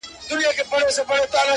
پدرلعنته حادثه ده او څه ستا ياد دی.